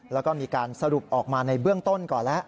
แล้วก็มีการสรุปออกมาในเบื้องต้นก่อนแล้ว